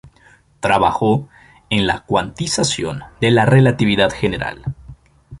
Trabajó en la cuantización de la relatividad general.